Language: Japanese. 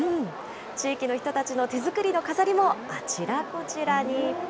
地域の人たちの手作りの飾りもあちらこちらに。